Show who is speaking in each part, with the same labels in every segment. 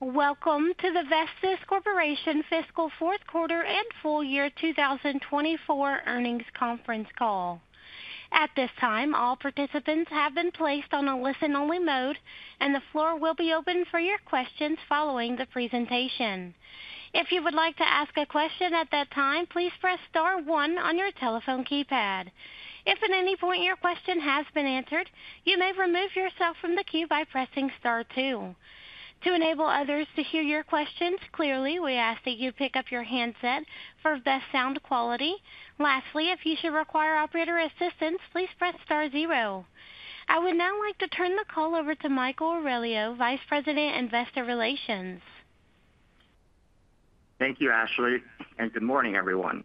Speaker 1: Welcome to the Vestis Corporation Fiscal Fourth Quarter and Full Year 2024 Earnings Conference Call. At this time, all participants have been placed on a listen-only mode, and the floor will be open for your questions following the presentation. If you would like to ask a question at that time, please press Star 1 on your telephone keypad. If at any point your question has been answered, you may remove yourself from the queue by pressing Star 2. To enable others to hear your questions clearly, we ask that you pick up your handset for best sound quality. Lastly, if you should require operator assistance, please press Star 0. I would now like to turn the call over to Michael Aurelio, Vice President, Investor Relations.
Speaker 2: Thank you, Ashley, and good morning, everyone.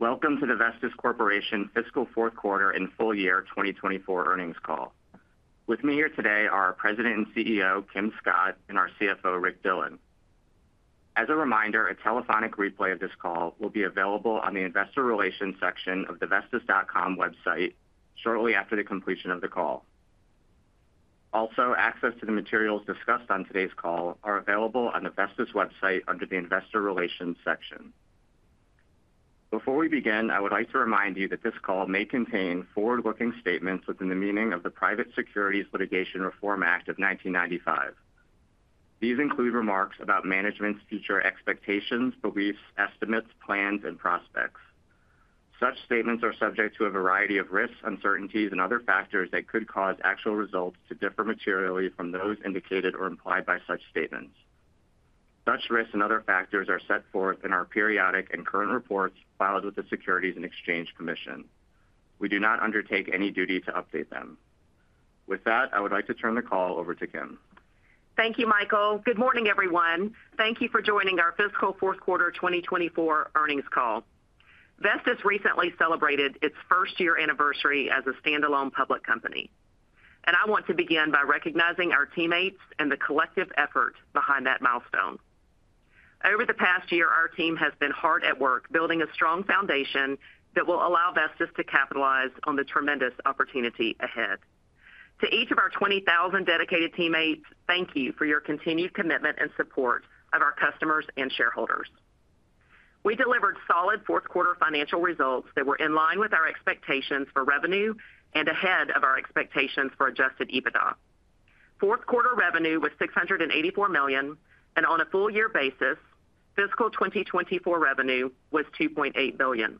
Speaker 2: Welcome to the Vestis Corporation Fiscal Fourth Quarter and Full Year 2024 Earnings Call. With me here today are President and CEO Kim Scott and our CFO, Rick Dillon. As a reminder, a telephonic replay of this call will be available on the Investor Relations section of the vestis.com website shortly after the completion of the call. Also, access to the materials discussed on today's call are available on the Vestis website under the Investor Relations section. Before we begin, I would like to remind you that this call may contain forward-looking statements within the meaning of the Private Securities Litigation Reform Act of 1995. These include remarks about management's future expectations, beliefs, estimates, plans, and prospects. Such statements are subject to a variety of risks, uncertainties, and other factors that could cause actual results to differ materially from those indicated or implied by such statements. Such risks and other factors are set forth in our periodic and current reports filed with the Securities and Exchange Commission. We do not undertake any duty to update them. With that, I would like to turn the call over to Kim.
Speaker 3: Thank you, Michael. Good morning, everyone. Thank you for joining our Fiscal Fourth Quarter 2024 Earnings Call. Vestis recently celebrated its first-year anniversary as a standalone public company, and I want to begin by recognizing our teammates and the collective effort behind that milestone. Over the past year, our team has been hard at work building a strong foundation that will allow Vestis to capitalize on the tremendous opportunity ahead. To each of our 20,000 dedicated teammates, thank you for your continued commitment and support of our customers and shareholders. We delivered solid fourth-quarter financial results that were in line with our expectations for revenue and ahead of our expectations for Adjusted EBITDA. Fourth-quarter revenue was $684 million, and on a full-year basis, fiscal 2024 revenue was $2.8 billion.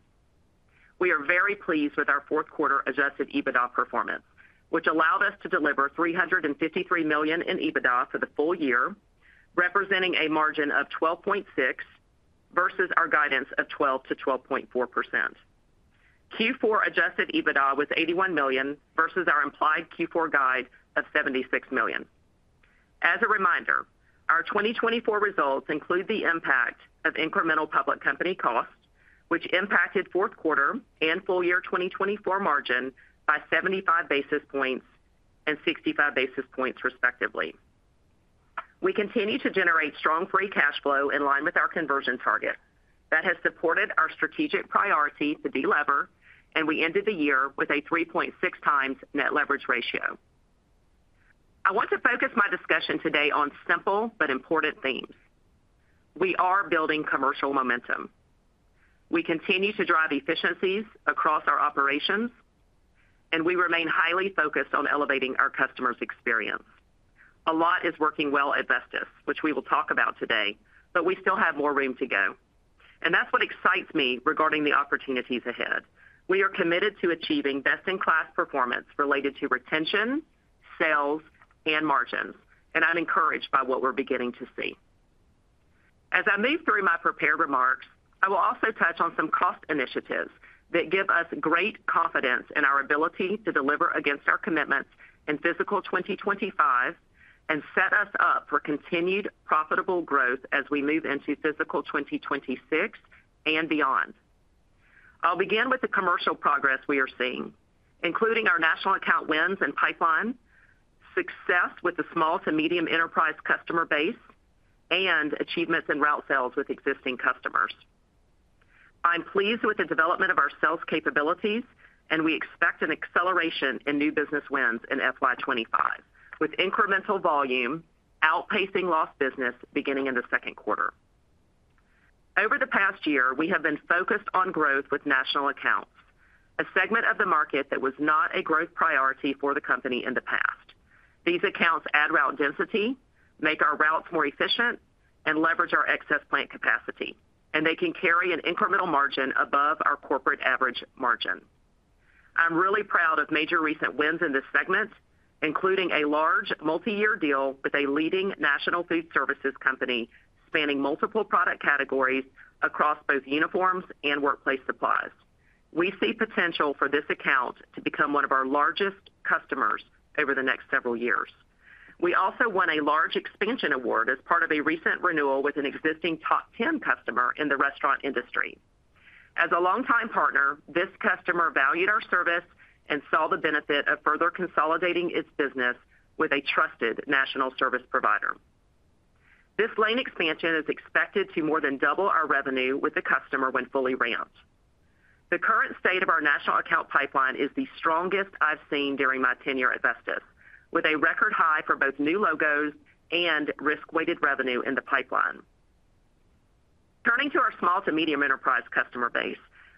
Speaker 3: We are very pleased with our fourth-quarter adjusted EBITDA performance, which allowed us to deliver $353 million in EBITDA for the full year, representing a margin of 12.6% versus our guidance of 12%-12.4%. Q4 adjusted EBITDA was $81 million versus our implied Q4 guide of $76 million. As a reminder, our 2024 results include the impact of incremental public company cost, which impacted fourth quarter and full year 2024 margin by 75 basis points and 65 basis points, respectively. We continue to generate strong free cash flow in line with our conversion target that has supported our strategic priority to delever, and we ended the year with a 3.6 times net leverage ratio. I want to focus my discussion today on simple but important themes. We are building commercial momentum. We continue to drive efficiencies across our operations, and we remain highly focused on elevating our customers' experience. A lot is working well at Vestis, which we will talk about today, but we still have more room to go. And that's what excites me regarding the opportunities ahead. We are committed to achieving best-in-class performance related to retention, sales, and margins, and I'm encouraged by what we're beginning to see. As I move through my prepared remarks, I will also touch on some cost initiatives that give us great confidence in our ability to deliver against our commitments in fiscal 2025 and set us up for continued profitable growth as we move into fiscal 2026 and beyond. I'll begin with the commercial progress we are seeing, including our national account wins in pipeline, success with the small to medium enterprise customer base, and achievements in route sales with existing customers. I'm pleased with the development of our sales capabilities, and we expect an acceleration in new business wins in FY25, with incremental volume outpacing lost business beginning in the second quarter. Over the past year, we have been focused on growth with national accounts, a segment of the market that was not a growth priority for the company in the past. These accounts add route density, make our routes more efficient, and leverage our excess plant capacity, and they can carry an incremental margin above our corporate average margin. I'm really proud of major recent wins in this segment, including a large multi-year deal with a leading national food services company spanning multiple product categories across both uniforms and workplace supplies. We see potential for this account to become one of our largest customers over the next several years. We also won a large expansion award as part of a recent renewal with an existing top 10 customer in the restaurant industry. As a longtime partner, this customer valued our service and saw the benefit of further consolidating its business with a trusted national service provider. This lane expansion is expected to more than double our revenue with the customer when fully ramped. The current state of our national account pipeline is the strongest I've seen during my tenure at Vestis, with a record high for both new logos and risk-weighted revenue in the pipeline. Turning to our small to medium enterprise customer base,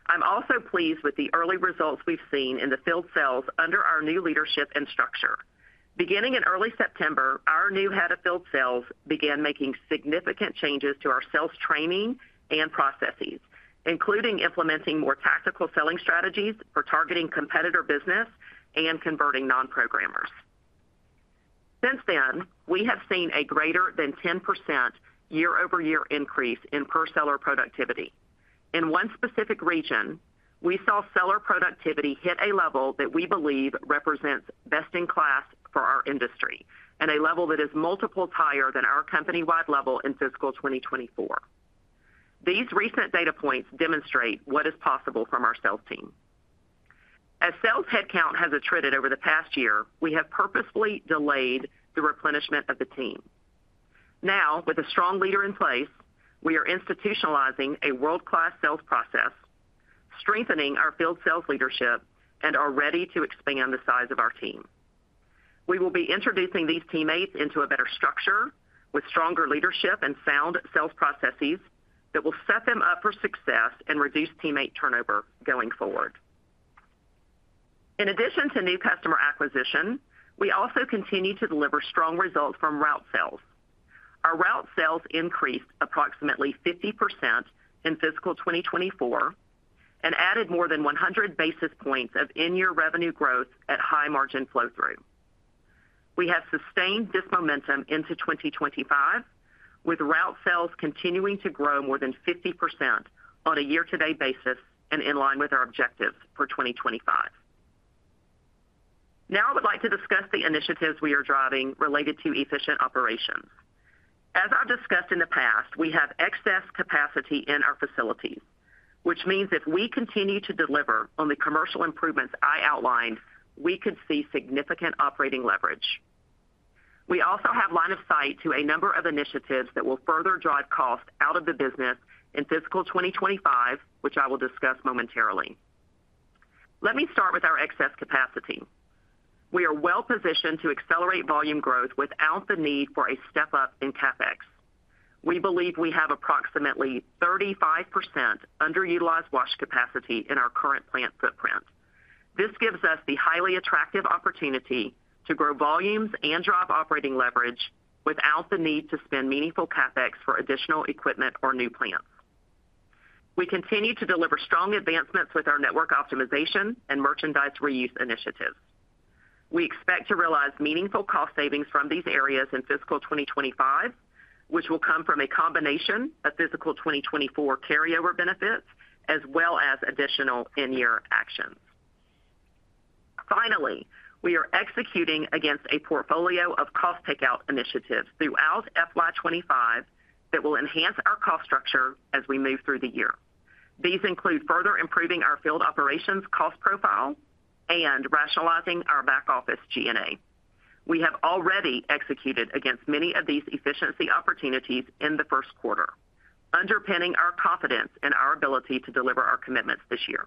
Speaker 3: I'm also pleased with the early results we've seen in the field sales under our new leadership and structure. Beginning in early September, our new head of field sales began making significant changes to our sales training and processes, including implementing more tactical selling strategies for targeting competitor business and converting non-programmers. Since then, we have seen a greater than 10% year-over-year increase in per-seller productivity. In one specific region, we saw seller productivity hit a level that we believe represents best-in-class for our industry, and a level that is multiple times higher than our company-wide level in fiscal 2024. These recent data points demonstrate what is possible from our sales team. As sales headcount has attrited over the past year, we have purposefully delayed the replenishment of the team. Now, with a strong leader in place, we are institutionalizing a world-class sales process, strengthening our field sales leadership, and are ready to expand the size of our team. We will be introducing these teammates into a better structure with stronger leadership and sound sales processes that will set them up for success and reduce teammate turnover going forward. In addition to new customer acquisition, we also continue to deliver strong results from route sales. Our route sales increased approximately 50% in fiscal 2024 and added more than 100 basis points of in-year revenue growth at high margin flow-through. We have sustained this momentum into 2025, with route sales continuing to grow more than 50% on a year-to-date basis and in line with our objectives for 2025. Now, I would like to discuss the initiatives we are driving related to efficient operations. As I've discussed in the past, we have excess capacity in our facilities, which means if we continue to deliver on the commercial improvements I outlined, we could see significant operating leverage. We also have line of sight to a number of initiatives that will further drive cost out of the business in fiscal 2025, which I will discuss momentarily. Let me start with our excess capacity. We are well-positioned to accelerate volume growth without the need for a step-up in CapEx. We believe we have approximately 35% underutilized wash capacity in our current plant footprint. This gives us the highly attractive opportunity to grow volumes and drive operating leverage without the need to spend meaningful CapEx for additional equipment or new plants. We continue to deliver strong advancements with our network optimization and merchandise reuse initiatives. We expect to realize meaningful cost savings from these areas in fiscal 2025, which will come from a combination of fiscal 2024 carryover benefits as well as additional in-year actions. Finally, we are executing against a portfolio of cost takeout initiatives throughout FY25 that will enhance our cost structure as we move through the year. These include further improving our field operations cost profile and rationalizing our back office G&A. We have already executed against many of these efficiency opportunities in the first quarter, underpinning our confidence in our ability to deliver our commitments this year.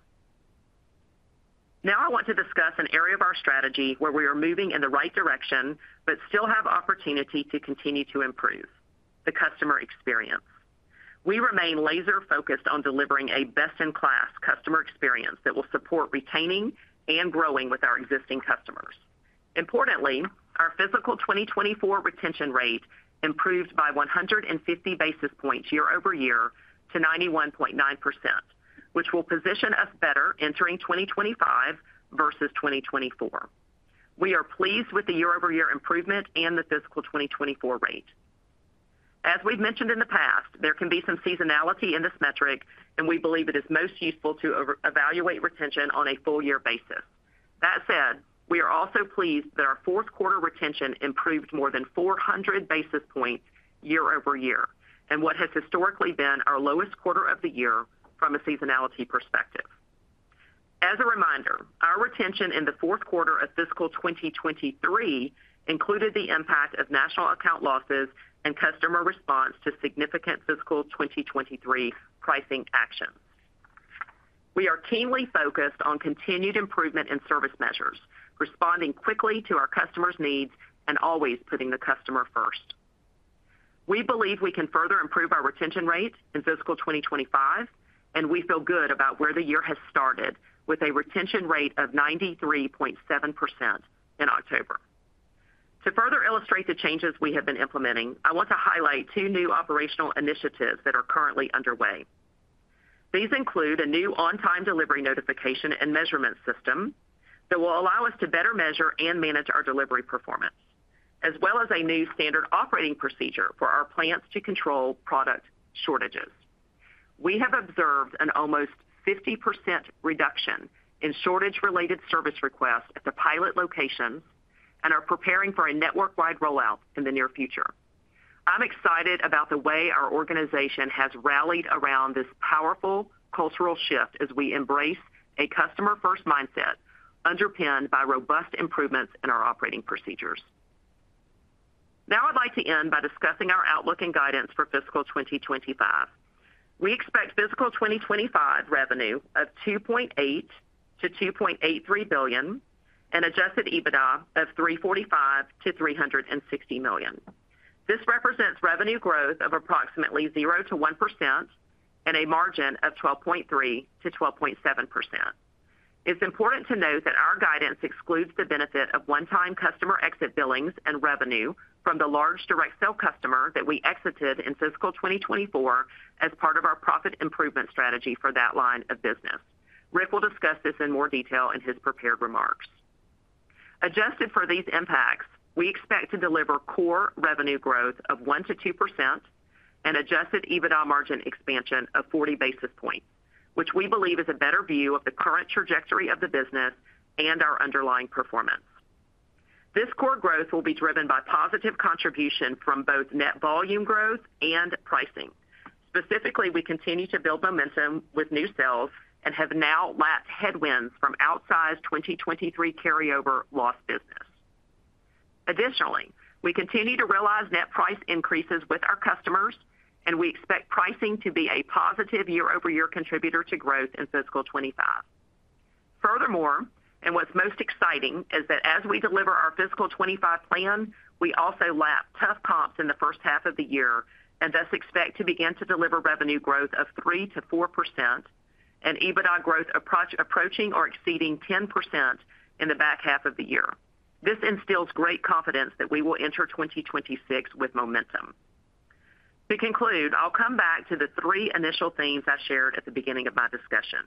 Speaker 3: Now, I want to discuss an area of our strategy where we are moving in the right direction but still have opportunity to continue to improve: the customer experience. We remain laser-focused on delivering a best-in-class customer experience that will support retaining and growing with our existing customers. Importantly, our fiscal 2024 retention rate improved by 150 basis points year-over-year to 91.9%, which will position us better entering 2025 versus 2024. We are pleased with the year-over-year improvement and the fiscal 2024 rate. As we've mentioned in the past, there can be some seasonality in this metric, and we believe it is most useful to evaluate retention on a full-year basis. That said, we are also pleased that our fourth-quarter retention improved more than 400 basis points year-over-year and what has historically been our lowest quarter of the year from a seasonality perspective. As a reminder, our retention in the fourth quarter of fiscal 2023 included the impact of national account losses and customer response to significant fiscal 2023 pricing actions. We are keenly focused on continued improvement in service measures, responding quickly to our customers' needs and always putting the customer first. We believe we can further improve our retention rate in fiscal 2025, and we feel good about where the year has started with a retention rate of 93.7% in October. To further illustrate the changes we have been implementing, I want to highlight two new operational initiatives that are currently underway. These include a new on-time delivery notification and measurement system that will allow us to better measure and manage our delivery performance, as well as a new standard operating procedure for our plants to control product shortages. We have observed an almost 50% reduction in shortage-related service requests at the pilot locations and are preparing for a network-wide rollout in the near future. I'm excited about the way our organization has rallied around this powerful cultural shift as we embrace a customer-first mindset underpinned by robust improvements in our operating procedures. Now, I'd like to end by discussing our outlook and guidance for fiscal 2025. We expect fiscal 2025 revenue of $2.8-$2.83 billion and Adjusted EBITDA of $345-$360 million. This represents revenue growth of approximately 0%-1% and a margin of 12.3%-12.7%. It's important to note that our guidance excludes the benefit of one-time customer exit billings and revenue from the large direct sale customer that we exited in fiscal 2024 as part of our profit improvement strategy for that line of business. Rick will discuss this in more detail in his prepared remarks. Adjusted for these impacts, we expect to deliver core revenue growth of 1%-2% and adjusted EBITDA margin expansion of 40 basis points, which we believe is a better view of the current trajectory of the business and our underlying performance. This core growth will be driven by positive contribution from both net volume growth and pricing. Specifically, we continue to build momentum with new sales and have now lapped headwinds from outsized 2023 carryover loss business. Additionally, we continue to realize net price increases with our customers, and we expect pricing to be a positive year-over-year contributor to growth in fiscal 2025. Furthermore, and what's most exciting is that as we deliver our fiscal 2025 plan, we also lapped tough comps in the first half of the year and thus expect to begin to deliver revenue growth of 3%-4% and EBITDA growth approaching or exceeding 10% in the back half of the year. This instills great confidence that we will enter 2026 with momentum. To conclude, I'll come back to the three initial themes I shared at the beginning of my discussion.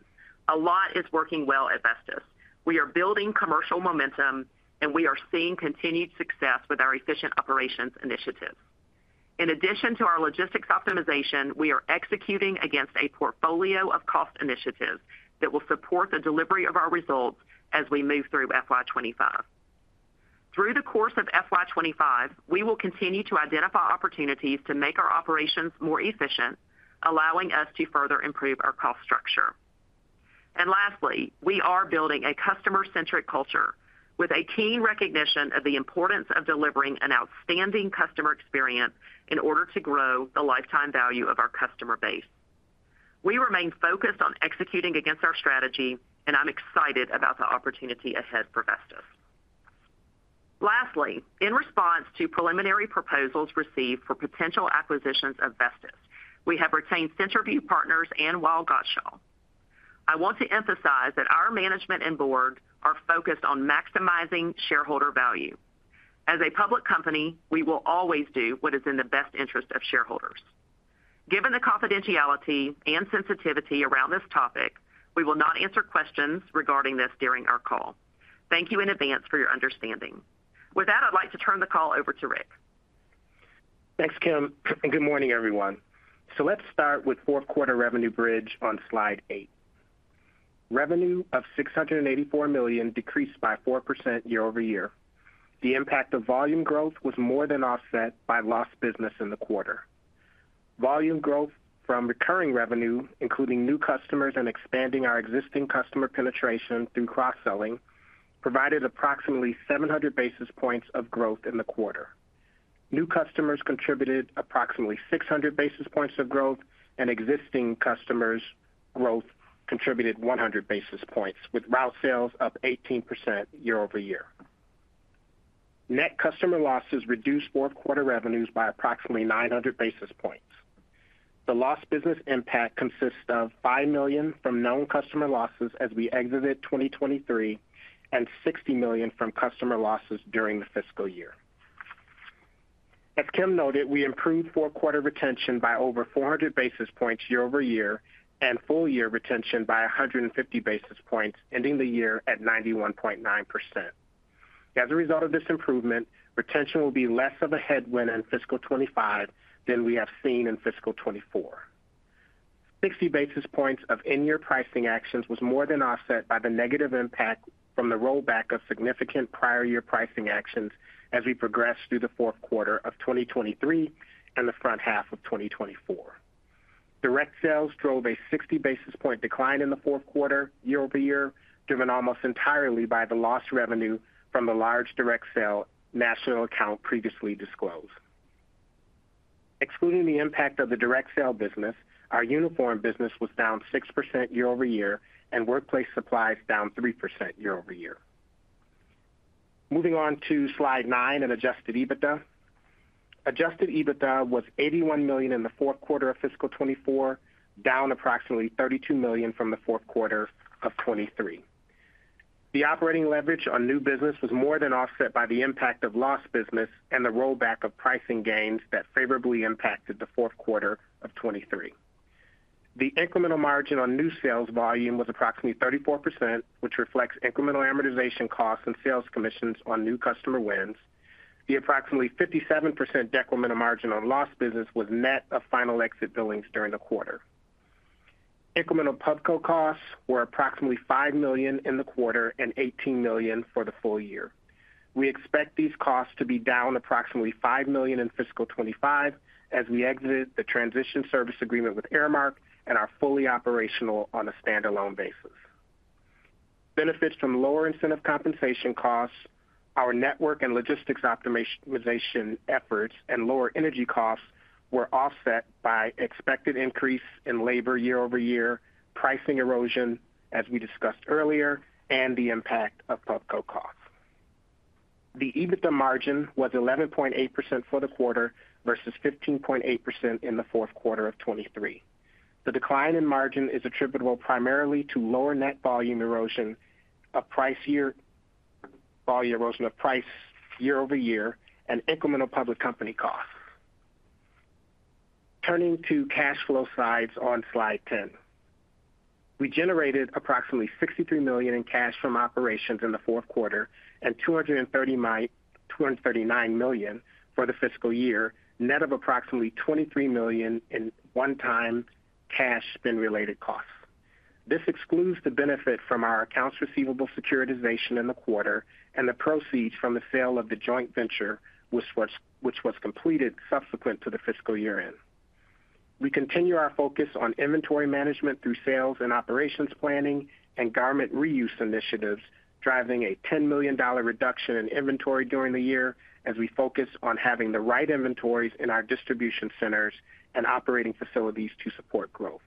Speaker 3: A lot is working well at Vestis. We are building commercial momentum, and we are seeing continued success with our efficient operations initiatives. In addition to our logistics optimization, we are executing against a portfolio of cost initiatives that will support the delivery of our results as we move through FY25. Through the course of FY25, we will continue to identify opportunities to make our operations more efficient, allowing us to further improve our cost structure. and lastly, we are building a customer-centric culture with a keen recognition of the importance of delivering an outstanding customer experience in order to grow the lifetime value of our customer base. We remain focused on executing against our strategy, and I'm excited about the opportunity ahead for Vestis. Lastly, in response to preliminary proposals received for potential acquisitions of Vestis, we have retained Centerview Partners and Weil, Gotshal & Manges. I want to emphasize that our management and board are focused on maximizing shareholder value. As a public company, we will always do what is in the best interest of shareholders. Given the confidentiality and sensitivity around this topic, we will not answer questions regarding this during our call. Thank you in advance for your understanding. With that, I'd like to turn the call over to Rick.
Speaker 4: Thanks, Kim. And good morning, everyone. So let's start with fourth-quarter revenue bridge on slide eight. Revenue of $684 million decreased by 4% year-over-year. The impact of volume growth was more than offset by lost business in the quarter. Volume growth from recurring revenue, including new customers and expanding our existing customer penetration through cross-selling, provided approximately 700 basis points of growth in the quarter. New customers contributed approximately 600 basis points of growth, and existing customers' growth contributed 100 basis points, with route sales up 18% year-over-year. Net customer losses reduced fourth-quarter revenues by approximately 900 basis points. The lost business impact consists of $5 million from known customer losses as we exited 2023 and $60 million from customer losses during the fiscal year. As Kim noted, we improved fourth-quarter retention by over 400 basis points year-over-year and full-year retention by 150 basis points, ending the year at 91.9%. As a result of this improvement, retention will be less of a headwind in fiscal 2025 than we have seen in fiscal 2024. 60 basis points of in-year pricing actions was more than offset by the negative impact from the rollback of significant prior-year pricing actions as we progressed through the fourth quarter of 2023 and the front half of 2024. Direct sales drove a 60-basis-point decline in the fourth quarter year-over-year, driven almost entirely by the lost revenue from the large direct sale national account previously disclosed. Excluding the impact of the direct sale business, our uniform business was down 6% year-over-year and workplace supplies down 3% year-over-year. Moving on to slide nine and Adjusted EBITDA. Adjusted EBITDA was $81 million in the fourth quarter of fiscal 2024, down approximately $32 million from the fourth quarter of 2023. The operating leverage on new business was more than offset by the impact of lost business and the rollback of pricing gains that favorably impacted the fourth quarter of 2023. The incremental margin on new sales volume was approximately 34%, which reflects incremental amortization costs and sales commissions on new customer wins. The approximately 57% decremental margin on lost business was net of final exit billings during the quarter. Incremental PubCo costs were approximately $5 million in the quarter and $18 million for the full year. We expect these costs to be down approximately $5 million in fiscal 25 as we exited the transition service agreement with Aramark and are fully operational on a standalone basis. Benefits from lower incentive compensation costs, our network and logistics optimization efforts, and lower energy costs were offset by expected increase in labor year-over-year, pricing erosion, as we discussed earlier, and the impact of PubCo costs. The EBITDA margin was 11.8% for the quarter versus 15.8% in the fourth quarter of 2023. The decline in margin is attributable primarily to lower net volume erosion, a price year-over-year erosion, and incremental public company costs. Turning to cash flow sides on slide 10, we generated approximately $63 million in cash from operations in the fourth quarter and $239 million for the fiscal year, net of approximately $23 million in one-time cash spend-related costs. This excludes the benefit from our accounts receivable securitization in the quarter and the proceeds from the sale of the joint venture, which was completed subsequent to the fiscal year-end. We continue our focus on inventory management through sales and operations planning and garment reuse initiatives, driving a $10 million reduction in inventory during the year as we focus on having the right inventories in our distribution centers and operating facilities to support growth.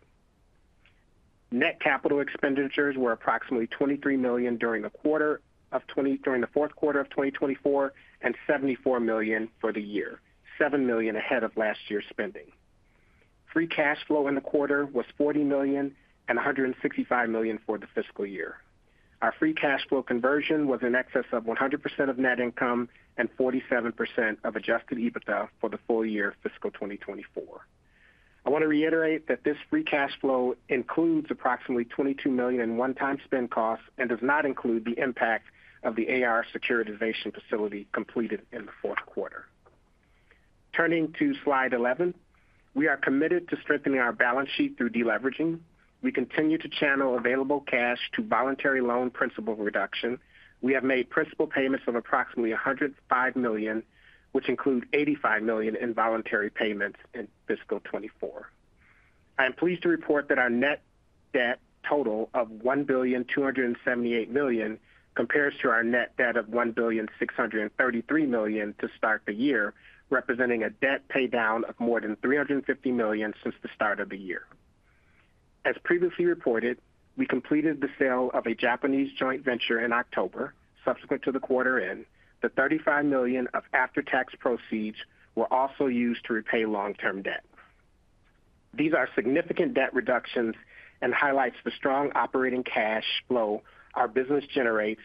Speaker 4: Net capital expenditures were approximately $23 million during the fourth quarter of 2024 and $74 million for the year, $7 million ahead of last year's spending. Free cash flow in the quarter was $40 million and $165 million for the fiscal year. Our free cash flow conversion was in excess of 100% of net income and 47% of Adjusted EBITDA for the full year fiscal 2024. I want to reiterate that this free cash flow includes approximately $22 million in one-time spend costs and does not include the impact of the AR securitization facility completed in the fourth quarter. Turning to slide 11, we are committed to strengthening our balance sheet through deleveraging. We continue to channel available cash to voluntary loan principal reduction. We have made principal payments of approximately $105 million, which include $85 million in voluntary payments in fiscal 2024. I am pleased to report that our net debt total of $1,278 million compares to our net debt of $1,633 million to start the year, representing a debt paydown of more than $350 million since the start of the year. As previously reported, we completed the sale of a Japanese joint venture in October, subsequent to the quarter-end. The $35 million of after-tax proceeds were also used to repay long-term debt. These are significant debt reductions and highlight the strong operating cash flow our business generates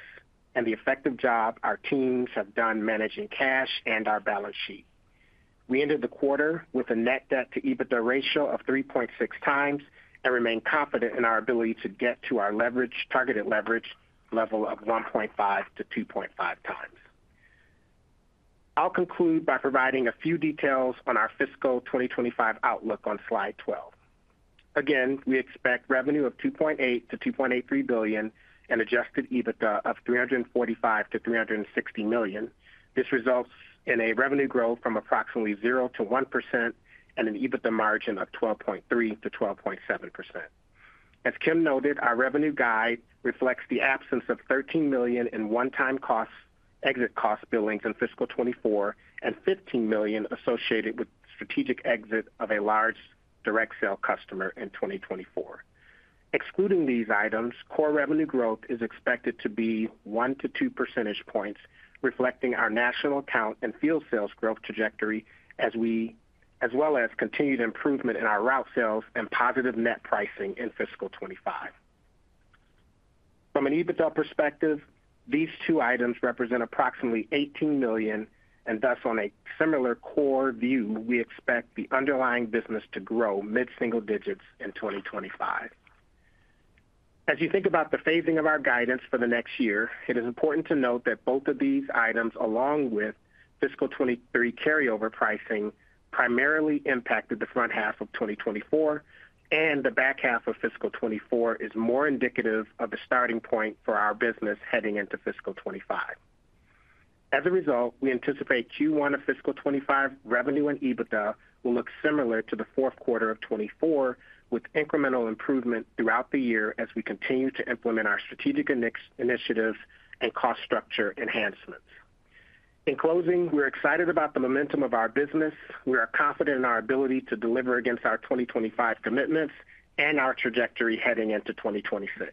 Speaker 4: and the effective job our teams have done managing cash and our balance sheet. We ended the quarter with a net debt-to-EBITDA ratio of 3.6 times and remain confident in our ability to get to our targeted leverage level of 1.5-2.5 times. I'll conclude by providing a few details on our fiscal 2025 outlook on slide 12. Again, we expect revenue of $2.8-$2.83 billion and adjusted EBITDA of $345-$360 million. This results in a revenue growth from approximately 0-1% and an EBITDA margin of 12.3-12.7%. As Kim noted, our revenue guide reflects the absence of $13 million in one-time exit costs billings in fiscal 2024 and $15 million associated with strategic exit of a large direct sale customer in 2024. Excluding these items, core revenue growth is expected to be 1 to 2 percentage points, reflecting our national account and field sales growth trajectory, as well as continued improvement in our route sales and positive net pricing in fiscal 2025. From an EBITDA perspective, these two items represent approximately $18 million, and thus, on a similar core view, we expect the underlying business to grow mid-single digits in 2025. As you think about the phasing of our guidance for the next year, it is important to note that both of these items, along with fiscal 2023 carryover pricing, primarily impacted the front half of 2024, and the back half of fiscal 2024 is more indicative of the starting point for our business heading into fiscal 2025. As a result, we anticipate Q1 of fiscal 2025 revenue and EBITDA will look similar to the fourth quarter of 2024, with incremental improvement throughout the year as we continue to implement our strategic initiatives and cost structure enhancements. In closing, we're excited about the momentum of our business. We are confident in our ability to deliver against our 2025 commitments and our trajectory heading into 2026.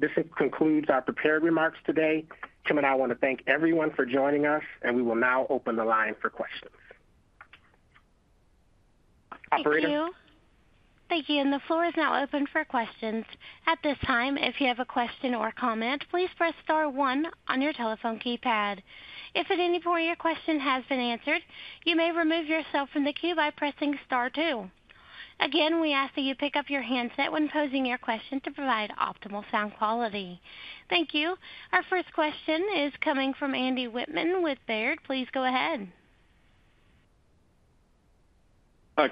Speaker 4: This concludes our prepared remarks today. Kim and I want to thank everyone for joining us, and we will now open the line for questions. Operator.
Speaker 1: Thank you. Thank you. And the floor is now open for questions. At this time, if you have a question or comment, please press Star 1 on your telephone keypad. If at any point your question has been answered, you may remove yourself from the queue by pressing Star 2. Again, we ask that you pick up your handset when posing your question to provide optimal sound quality. Thank you. Our first question is coming from Andy Whitman with Baird. Please go ahead.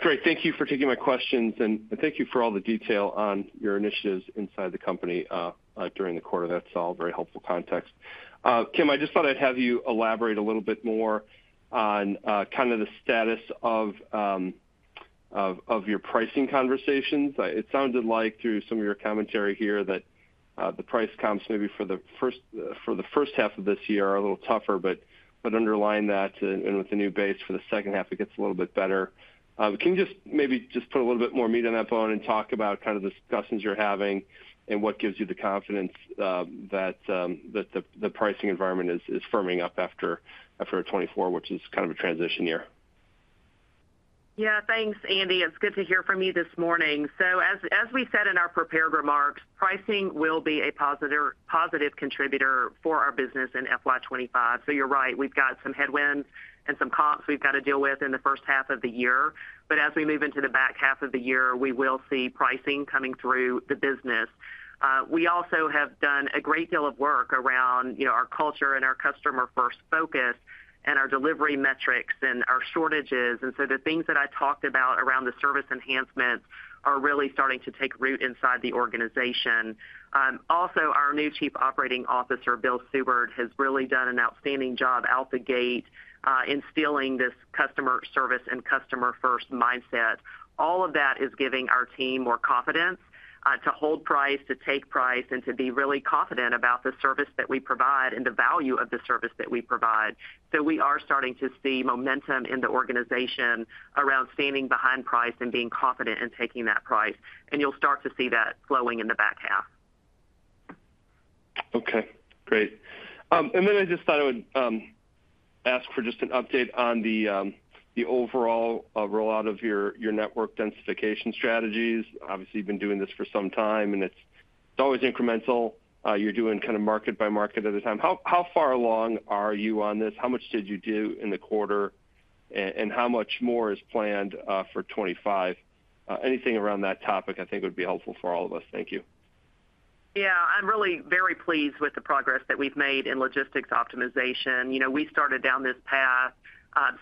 Speaker 5: Great. Thank you for taking my questions, and thank you for all the detail on your initiatives inside the company during the quarter. That's all very helpful context. Kim, I just thought I'd have you elaborate a little bit more on kind of the status of your pricing conversations. It sounded like through some of your commentary here that the price comps maybe for the first half of this year are a little tougher, but underlying that, and with the new base for the second half, it gets a little bit better. Can you just maybe just put a little bit more meat on that bone and talk about kind of the discussions you're having and what gives you the confidence that the pricing environment is firming up after 2024, which is kind of a transition year?
Speaker 3: Yeah. Thanks, Andy. It's good to hear from you this morning. So as we said in our prepared remarks, pricing will be a positive contributor for our business in FY25. So you're right. We've got some headwinds and some comps we've got to deal with in the first half of the year. But as we move into the back half of the year, we will see pricing coming through the business. We also have done a great deal of work around our culture and our customer-first focus and our delivery metrics and our shortages. And so the things that I talked about around the service enhancements are really starting to take root inside the organization. Also, our new Chief Operating Officer, Bill Seward, has really done an outstanding job out the gate instilling this customer service and customer-first mindset. All of that is giving our team more confidence to hold price, to take price, and to be really confident about the service that we provide and the value of the service that we provide. So we are starting to see momentum in the organization around standing behind price and being confident in taking that price. And you'll start to see that flowing in the back half.
Speaker 5: Okay. Great. And then I just thought I would ask for just an update on the overall rollout of your network densification strategies. Obviously, you've been doing this for some time, and it's always incremental. You're doing kind of market by market at a time. How far along are you on this? How much did you do in the quarter, and how much more is planned for 2025? Anything around that topic, I think, would be helpful for all of us. Thank you.
Speaker 3: Yeah. I'm really very pleased with the progress that we've made in logistics optimization. We started down this path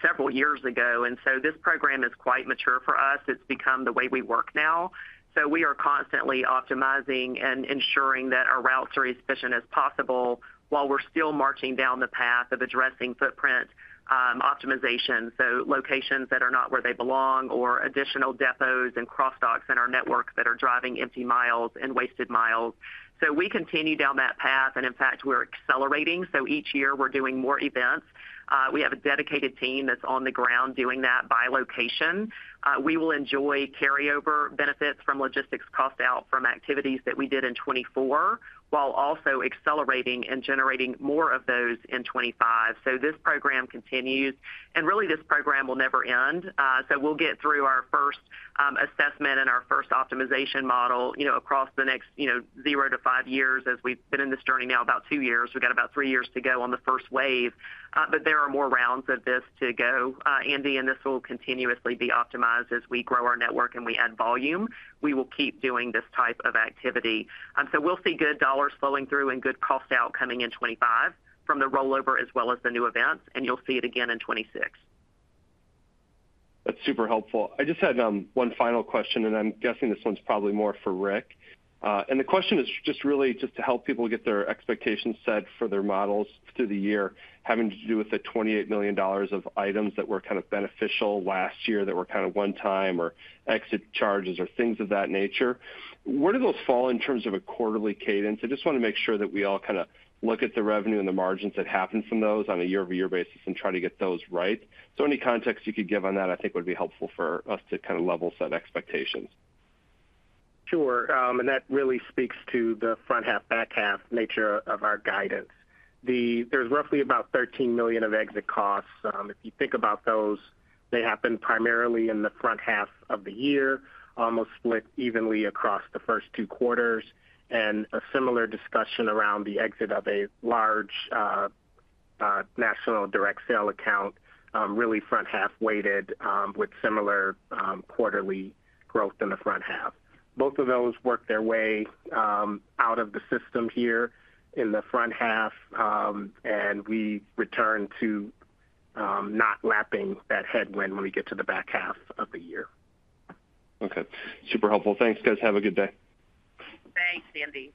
Speaker 3: several years ago, and so this program is quite mature for us. It's become the way we work now. So we are constantly optimizing and ensuring that our routes are as efficient as possible while we're still marching down the path of addressing footprint optimization. So locations that are not where they belong or additional depots and cross-docks in our network that are driving empty miles and wasted miles. So we continue down that path, and in fact, we're accelerating. So each year, we're doing more events. We have a dedicated team that's on the ground doing that by location. We will enjoy carryover benefits from logistics cost out from activities that we did in 2024 while also accelerating and generating more of those in 2025. So this program continues, and really, this program will never end. So we'll get through our first assessment and our first optimization model across the next zero to five years. As we've been in this journey now about two years, we've got about three years to go on the first wave. But there are more rounds of this to go. Andy, and this will continuously be optimized as we grow our network and we add volume. We will keep doing this type of activity. We'll see good dollars flowing through and good cost outcoming in 2025 from the rollover as well as the new events, and you'll see it again in 2026.
Speaker 5: That's super helpful. I just had one final question, and I'm guessing this one's probably more for Rick. The question is just really just to help people get their expectations set for their models through the year, having to do with the $28 million of items that were kind of beneficial last year that were kind of one-time or exit charges or things of that nature. Where do those fall in terms of a quarterly cadence? I just want to make sure that we all kind of look at the revenue and the margins that happen from those on a year-over-year basis and try to get those right. So any context you could give on that, I think, would be helpful for us to kind of level set expectations.
Speaker 4: Sure. And that really speaks to the front half, back half nature of our guidance. There's roughly about $13 million of exit costs. If you think about those, they happen primarily in the front half of the year, almost split evenly across the first two quarters. And a similar discussion around the exit of a large national direct sale account, really front half weighted with similar quarterly growth in the front half. Both of those work their way out of the system here in the front half, and we return to not lapping that headwind when we get to the back half of the year.
Speaker 5: Okay. Super helpful. Thanks, guys. Have a good day.
Speaker 3: Thanks, Andy.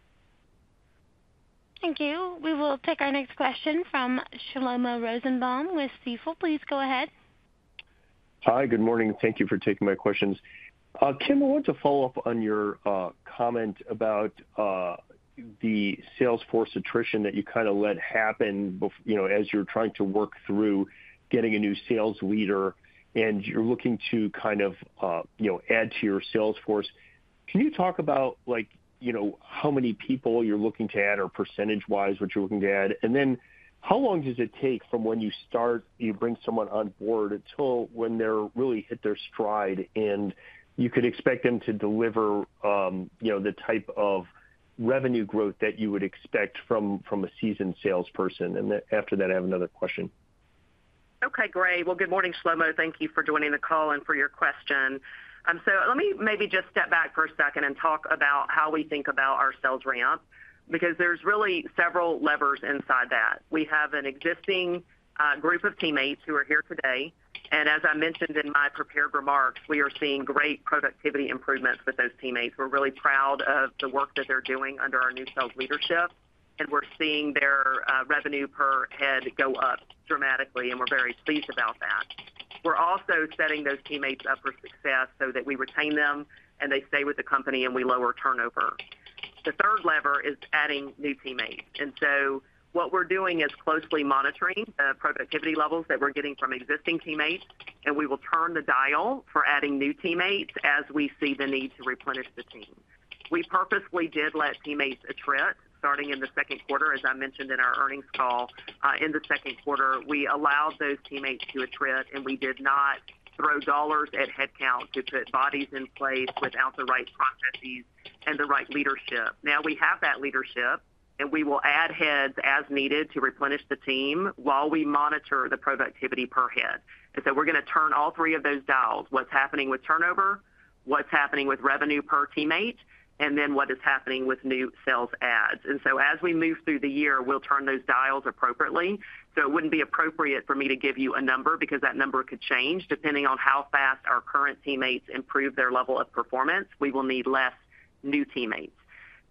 Speaker 1: Thank you. We will take our next question from Shlomo Rosenbaum with Stifel. Please go ahead.
Speaker 6: Hi. Good morning. Thank you for taking my questions. Kim, I want to follow up on your comment about the sales force attrition that you kind of let happen as you're trying to work through getting a new sales leader, and you're looking to kind of add to your sales force. Can you talk about how many people you're looking to add or percentage-wise what you're looking to add? And then how long does it take from when you start, you bring someone on board until when they're really hit their stride and you could expect them to deliver the type of revenue growth that you would expect from a seasoned salesperson? And after that, I have another question.
Speaker 3: Okay. Great. Well, good morning, Shlomo. Thank you for joining the call and for your question. So let me maybe just step back for a second and talk about how we think about our sales ramp because there's really several levers inside that. We have an existing group of teammates who are here today, and as I mentioned in my prepared remarks, we are seeing great productivity improvements with those teammates. We're really proud of the work that they're doing under our new sales leadership, and we're seeing their revenue per head go up dramatically, and we're very pleased about that. We're also setting those teammates up for success so that we retain them and they stay with the company and we lower turnover. The third lever is adding new teammates. What we're doing is closely monitoring the productivity levels that we're getting from existing teammates, and we will turn the dial for adding new teammates as we see the need to replenish the team. We purposely did let teammates attrit starting in the second quarter. As I mentioned in our earnings call in the second quarter, we allowed those teammates to attrit, and we did not throw dollars at headcount to put bodies in place without the right processes and the right leadership. Now, we have that leadership, and we will add heads as needed to replenish the team while we monitor the productivity per head. We're going to turn all three of those dials: what's happening with turnover, what's happening with revenue per teammate, and then what is happening with new sales adds. As we move through the year, we'll turn those dials appropriately. So it wouldn't be appropriate for me to give you a number because that number could change depending on how fast our current teammates improve their level of performance. We will need less new teammates.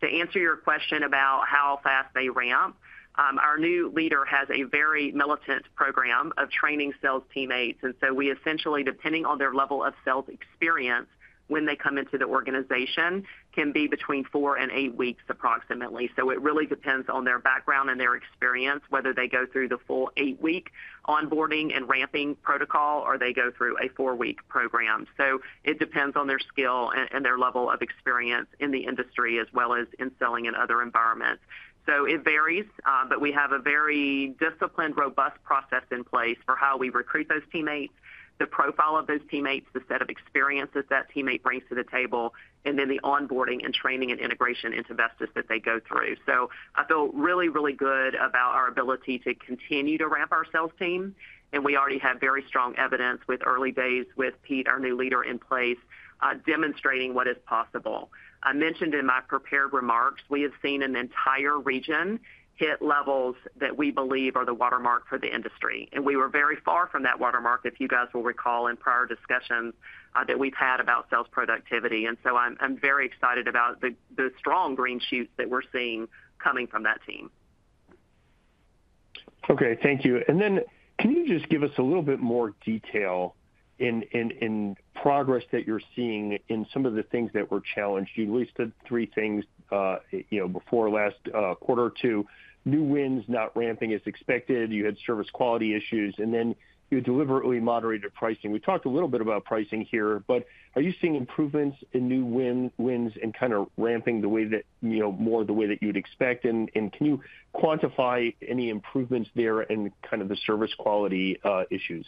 Speaker 3: To answer your question about how fast they ramp, our new leader has a very militant program of training sales teammates. And so we essentially, depending on their level of sales experience when they come into the organization, can be between four and eight weeks approximately. So it really depends on their background and their experience, whether they go through the full eight-week onboarding and ramping protocol or they go through a four-week program. So it depends on their skill and their level of experience in the industry as well as in selling and other environments. So it varies, but we have a very disciplined, robust process in place for how we recruit those teammates, the profile of those teammates, the set of experiences that teammate brings to the table, and then the onboarding and training and integration into Vestis that they go through. So I feel really, really good about our ability to continue to ramp our sales team, and we already have very strong evidence with early days with Pete, our new leader, in place demonstrating what is possible. I mentioned in my prepared remarks, we have seen an entire region hit levels that we believe are the watermark for the industry. And we were very far from that watermark, if you guys will recall, in prior discussions that we've had about sales productivity. And so I'm very excited about the strong green shoots that we're seeing coming from that team.
Speaker 6: Okay. Thank you. And then, can you just give us a little bit more detail in progress that you're seeing in some of the things that were challenged? You listed three things before last quarter or two: new wins, not ramping as expected. You had service quality issues, and then you deliberately moderated pricing. We talked a little bit about pricing here, but are you seeing improvements in new wins and kind of ramping the way that you'd expect? And can you quantify any improvements there in kind of the service quality issues?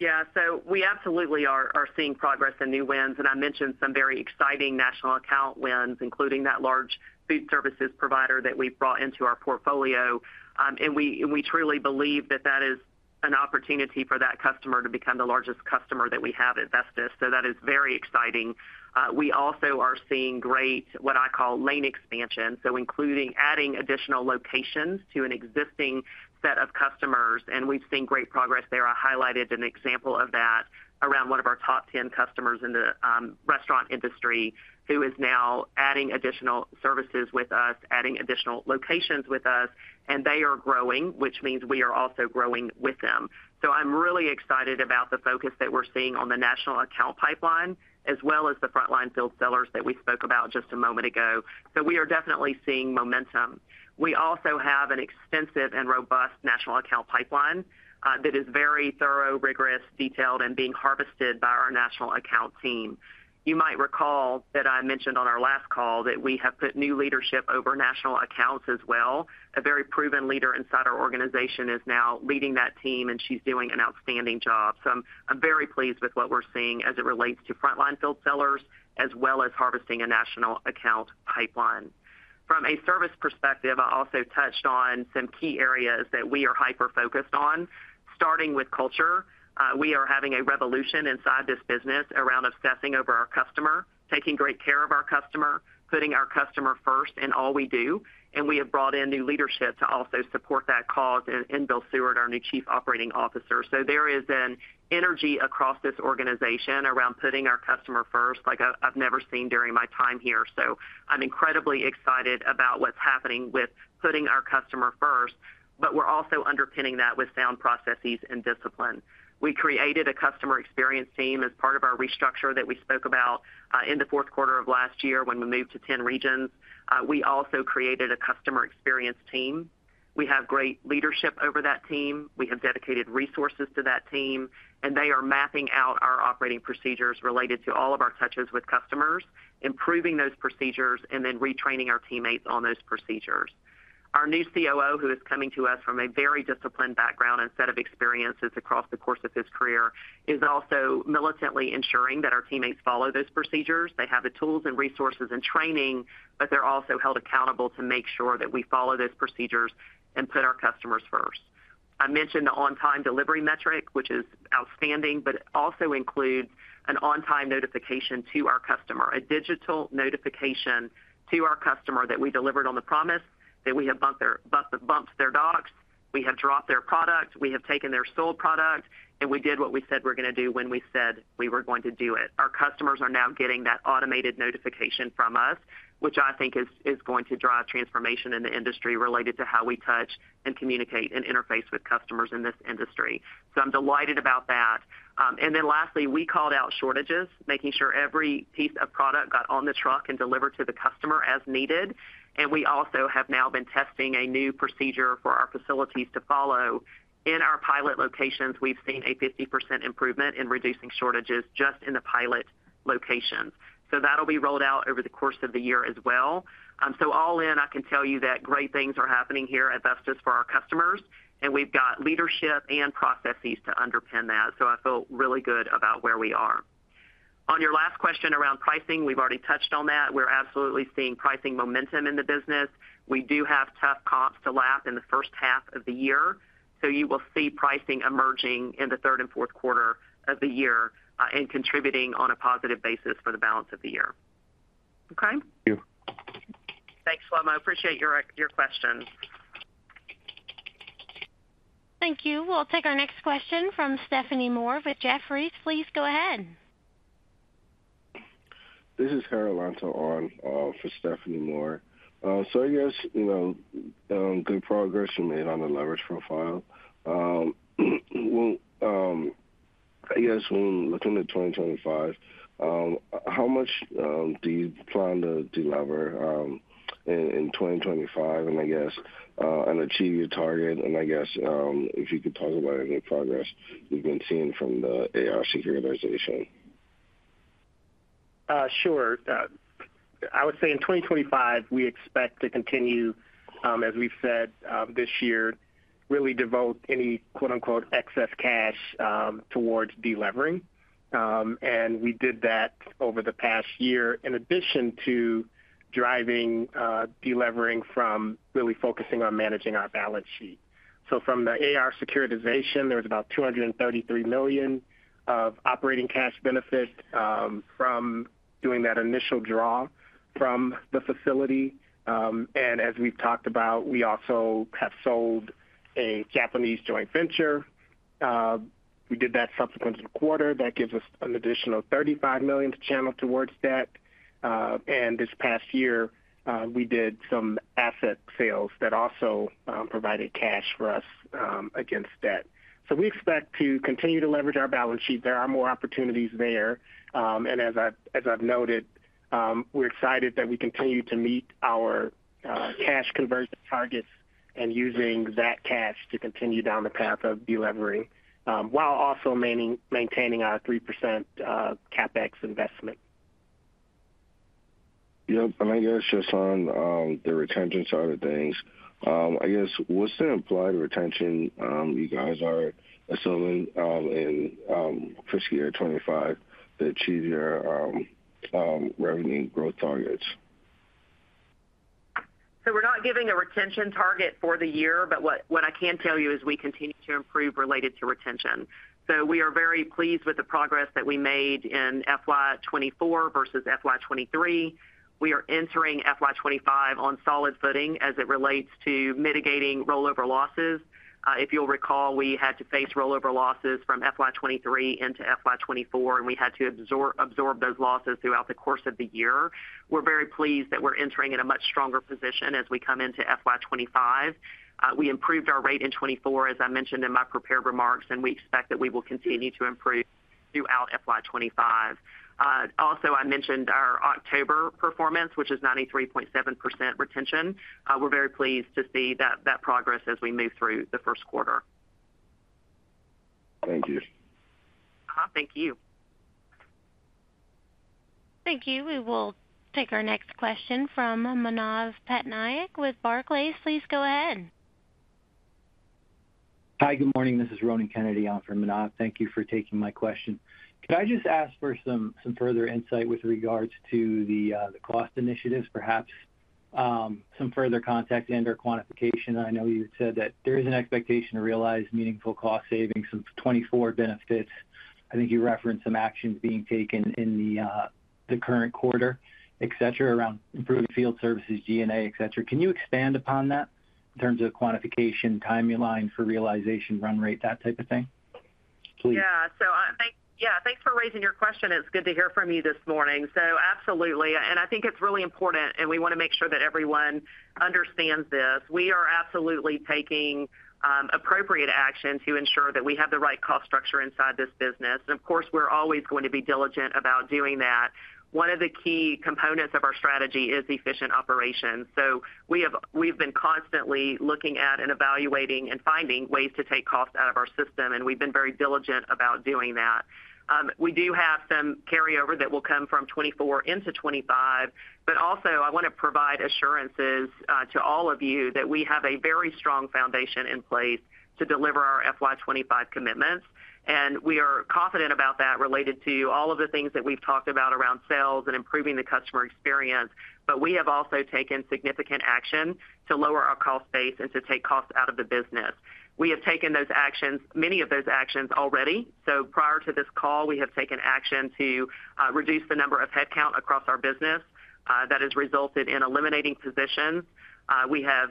Speaker 3: Yeah. So we absolutely are seeing progress in new wins, and I mentioned some very exciting national account wins, including that large food services provider that we brought into our portfolio. And we truly believe that that is an opportunity for that customer to become the largest customer that we have at Vestis. So that is very exciting. We also are seeing great what I call lane expansion, so including adding additional locations to an existing set of customers. And we've seen great progress there. I highlighted an example of that around one of our top 10 customers in the restaurant industry who is now adding additional services with us, adding additional locations with us, and they are growing, which means we are also growing with them. So I'm really excited about the focus that we're seeing on the national account pipeline as well as the frontline field sellers that we spoke about just a moment ago. So we are definitely seeing momentum. We also have an extensive and robust national account pipeline that is very thorough, rigorous, detailed, and being harvested by our national account team. You might recall that I mentioned on our last call that we have put new leadership over national accounts as well. A very proven leader inside our organization is now leading that team, and she's doing an outstanding job. So I'm very pleased with what we're seeing as it relates to frontline field sellers as well as harvesting a national account pipeline. From a service perspective, I also touched on some key areas that we are hyper-focused on, starting with culture. We are having a revolution inside this business around obsessing over our customer, taking great care of our customer, putting our customer first in all we do. And we have brought in new leadership to also support that cause and Bill Seward, our new Chief Operating Officer. So there is an energy across this organization around putting our customer first like I've never seen during my time here. I'm incredibly excited about what's happening with putting our customer first, but we're also underpinning that with sound processes and discipline. We created a customer experience team as part of our restructure that we spoke about in the fourth quarter of last year when we moved to 10 regions. We also created a customer experience team. We have great leadership over that team. We have dedicated resources to that team, and they are mapping out our operating procedures related to all of our touches with customers, improving those procedures, and then retraining our teammates on those procedures. Our new COO, who is coming to us from a very disciplined background and set of experiences across the course of his career, is also militantly ensuring that our teammates follow those procedures. They have the tools and resources and training, but they're also held accountable to make sure that we follow those procedures and put our customers first. I mentioned the on-time delivery metric, which is outstanding, but also includes an on-time notification to our customer, a digital notification to our customer that we delivered on the promise that we have bumped their docks, we have dropped their product, we have taken their sold product, and we did what we said we're going to do when we said we were going to do it. Our customers are now getting that automated notification from us, which I think is going to drive transformation in the industry related to how we touch and communicate and interface with customers in this industry. So I'm delighted about that. And then lastly, we called out shortages, making sure every piece of product got on the truck and delivered to the customer as needed. And we also have now been testing a new procedure for our facilities to follow. In our pilot locations, we've seen a 50% improvement in reducing shortages just in the pilot locations. So that'll be rolled out over the course of the year as well. So all in, I can tell you that great things are happening here at Vestis for our customers, and we've got leadership and processes to underpin that. So I feel really good about where we are. On your last question around pricing, we've already touched on that. We're absolutely seeing pricing momentum in the business. We do have tough comps to lap in the first half of the year. So you will see pricing emerging in the third and fourth quarter of the year and contributing on a positive basis for the balance of the year. Okay? Thanks, Shlomo. I appreciate your questions.
Speaker 1: Thank you. We'll take our next question from Stephanie Moore with Jefferies. Please go ahead.
Speaker 7: This is Carol Antoine for Stephanie Moore. So I guess good progress you made on the leverage profile. I guess when looking at 2025, how much do you plan to delever in 2025 and achieve your target? And I guess if you could talk about any progress you've been seeing from the AR securitization.
Speaker 4: Sure. I would say in 2025, we expect to continue, as we've said this year, really devote any "excess cash" towards delevering. And we did that over the past year in addition to driving delevering from really focusing on managing our balance sheet. From the AR securitization, there was about $233 million of operating cash benefit from doing that initial draw from the facility. And as we've talked about, we also have sold a Japanese joint venture. We did that subsequent to the quarter. That gives us an additional $35 million to channel towards that. And this past year, we did some asset sales that also provided cash for us against that. So we expect to continue to leverage our balance sheet. There are more opportunities there. And as I've noted, we're excited that we continue to meet our cash conversion targets and using that cash to continue down the path of delivering while also maintaining our 3% CapEx investment.
Speaker 7: Yep. And I guess just on the retention side of things, I guess what's the implied retention you guys are assuming in fiscal year 2025 to achieve your revenue growth targets?
Speaker 3: So we're not giving a retention target for the year, but what I can tell you is we continue to improve related to retention. So we are very pleased with the progress that we made in FY24 versus FY23. We are entering FY25 on solid footing as it relates to mitigating rollover losses. If you'll recall, we had to face rollover losses from FY23 into FY24, and we had to absorb those losses throughout the course of the year. We're very pleased that we're entering in a much stronger position as we come into FY25. We improved our rate in 2024, as I mentioned in my prepared remarks, and we expect that we will continue to improve throughout FY25. Also, I mentioned our October performance, which is 93.7% retention. We're very pleased to see that progress as we move through the first quarter.
Speaker 7: Thank you.
Speaker 4: Thank you.
Speaker 1: Thank you. We will take our next question from Manav Patnaik with Barclays. Please go ahead.
Speaker 8: Hi, good morning. This is Ronan Kennedy from Manav. Thank you for taking my question. Could I just ask for some further insight with regards to the cost initiatives, perhaps some further context and/or quantification? I know you said that there is an expectation to realize meaningful cost savings, some '24 benefits. I think you referenced some actions being taken in the current quarter, etc., around improving field services, G&A, etc. Can you expand upon that in terms of quantification, timeline for realization, run rate, that type of thing, please?
Speaker 3: Yeah. So yeah, thanks for raising your question. It's good to hear from you this morning. So absolutely. And I think it's really important, and we want to make sure that everyone understands this. We are absolutely taking appropriate action to ensure that we have the right cost structure inside this business, and of course, we're always going to be diligent about doing that. One of the key components of our strategy is efficient operations, so we've been constantly looking at and evaluating and finding ways to take costs out of our system, and we've been very diligent about doing that. We do have some carryover that will come from 2024 into 2025, but also I want to provide assurances to all of you that we have a very strong foundation in place to deliver our FY25 commitments, and we are confident about that related to all of the things that we've talked about around sales and improving the customer experience, but we have also taken significant action to lower our cost base and to take costs out of the business. We have taken many of those actions already. So prior to this call, we have taken action to reduce the number of headcount across our business. That has resulted in eliminating positions. We have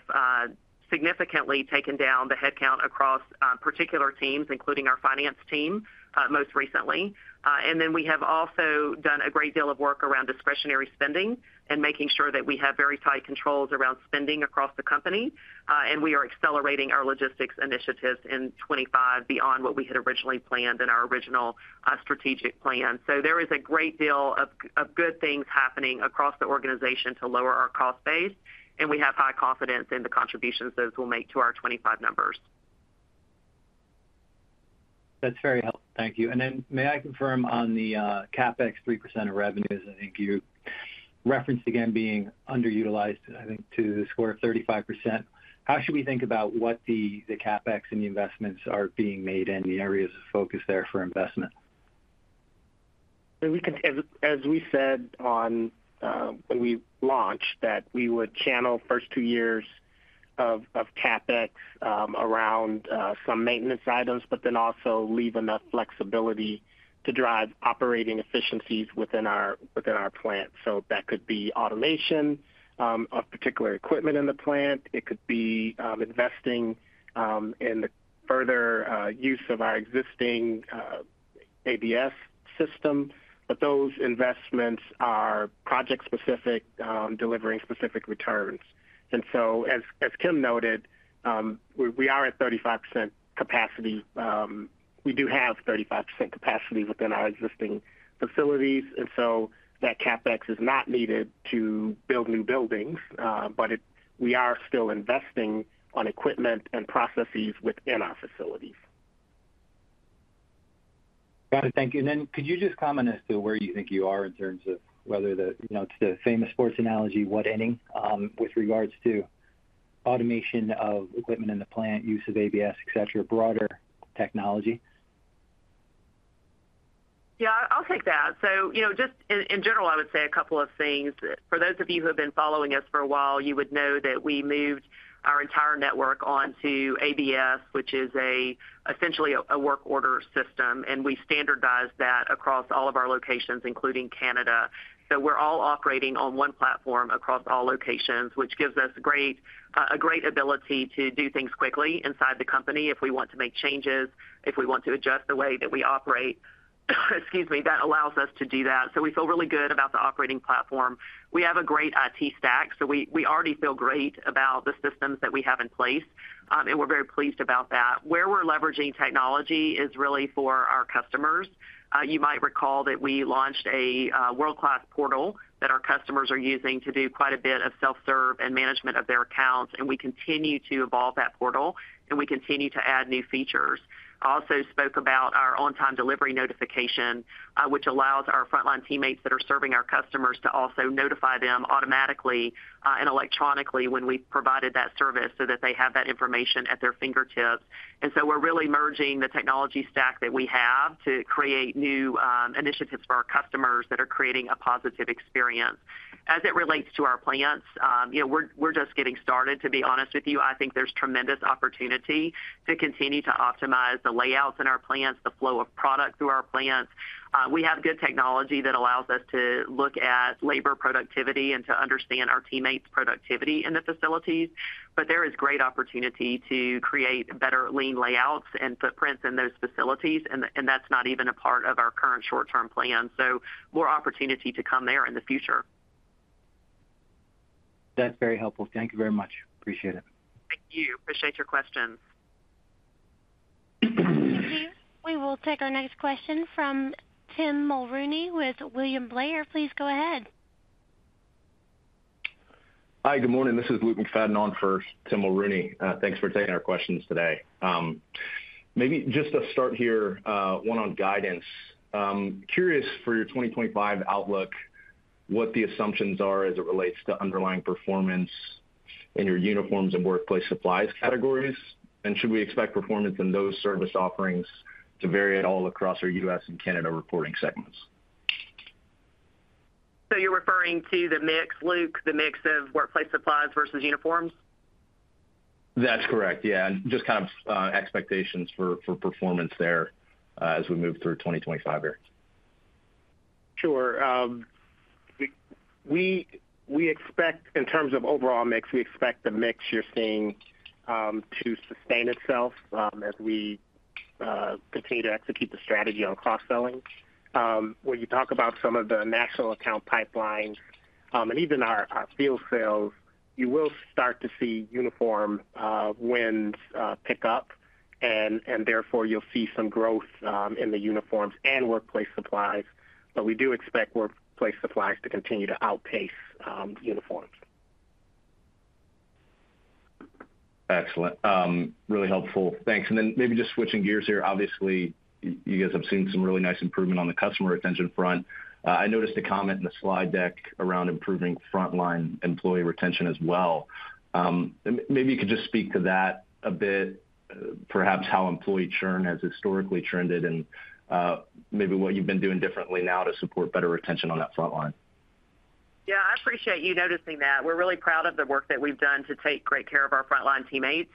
Speaker 3: significantly taken down the headcount across particular teams, including our finance team, most recently. And then we have also done a great deal of work around discretionary spending and making sure that we have very tight controls around spending across the company. And we are accelerating our logistics initiatives in 2025 beyond what we had originally planned in our original strategic plan. So there is a great deal of good things happening across the organization to lower our cost base, and we have high confidence in the contributions those will make to our 2025 numbers.
Speaker 8: That's very helpful. Thank you. And then may I confirm on the CapEx 3% of revenues? I think you referenced again being underutilized, I think, to the score of 35%. How should we think about what the CapEx and the investments are being made in the areas of focus there for investment?
Speaker 4: As we said when we launched, that we would channel first two years of CapEx around some maintenance items, but then also leave enough flexibility to drive operating efficiencies within our plant. So that could be automation of particular equipment in the plant. It could be investing in the further use of our existing ABS system. But those investments are project-specific, delivering specific returns. And so as Kim noted, we are at 35% capacity. We do have 35% capacity within our existing facilities. And so that CapEx is not needed to build new buildings, but we are still investing on equipment and processes within our facilities.
Speaker 8: Got it. Thank you. And then could you just comment as to where you think you are in terms of whether it's the famous sports analogy, what inning, with regards to automation of equipment in the plant, use of ABS, etc., broader technology?
Speaker 3: Yeah, I'll take that. So just in general, I would say a couple of things. For those of you who have been following us for a while, you would know that we moved our entire network onto ABS, which is essentially a work order system. And we standardized that across all of our locations, including Canada. So we're all operating on one platform across all locations, which gives us a great ability to do things quickly inside the company if we want to make changes, if we want to adjust the way that we operate. Excuse me. That allows us to do that. So we feel really good about the operating platform. We have a great IT stack. So we already feel great about the systems that we have in place, and we're very pleased about that. Where we're leveraging technology is really for our customers. You might recall that we launched a world-class portal that our customers are using to do quite a bit of self-serve and management of their accounts. And we continue to evolve that portal, and we continue to add new features. I also spoke about our on-time delivery notification, which allows our frontline teammates that are serving our customers to also notify them automatically and electronically when we provided that service so that they have that information at their fingertips. And so we're really merging the technology stack that we have to create new initiatives for our customers that are creating a positive experience. As it relates to our plants, we're just getting started, to be honest with you. I think there's tremendous opportunity to continue to optimize the layouts in our plants, the flow of product through our plants. We have good technology that allows us to look at labor productivity and to understand our teammates' productivity in the facilities. But there is great opportunity to create better lean layouts and footprints in those facilities, and that's not even a part of our current short-term plan. So more opportunity to come there in the future.
Speaker 8: That's very helpful. Thank you very much. Appreciate it.
Speaker 4: Thank you. Appreciate your questions.
Speaker 1: Thank you. We will take our next question from Tim Mulrooney with William Blair. Please go ahead.
Speaker 9: Hi, good morning. This is Luke McFadden on for Tim Mulrooney. Thanks for taking our questions today. Maybe just to start here, one on guidance. Curious for your 2025 outlook, what the assumptions are as it relates to underlying performance in your uniforms and workplace supplies categories? And should we expect performance in those service offerings to vary at all across our U.S. and Canada reporting segments?
Speaker 4: So you're referring to the mix, Luke, the mix of workplace supplies versus uniforms?
Speaker 9: That's correct. Yeah. And just kind of expectations for performance there as we move through 2025 here.
Speaker 4: Sure. In terms of overall mix, we expect the mix you're seeing to sustain itself as we continue to execute the strategy on cross-selling. When you talk about some of the national account pipelines and even our field sales, you will start to see uniform wins pick up, and therefore you'll see some growth in the uniforms and workplace supplies. But we do expect workplace supplies to continue to outpace uniforms.
Speaker 9: Excellent. Really helpful. Thanks. And then maybe just switching gears here. Obviously, you guys have seen some really nice improvement on the customer retention front. I noticed a comment in the slide deck around improving frontline employee retention as well. Maybe you could just speak to that a bit, perhaps how employee churn has historically trended and maybe what you've been doing differently now to support better retention on that frontline.
Speaker 3: Yeah. I appreciate you noticing that. We're really proud of the work that we've done to take great care of our frontline teammates.